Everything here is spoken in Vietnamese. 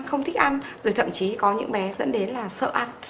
không thích ăn rồi thậm chí có những bé dẫn đến là sợ ăn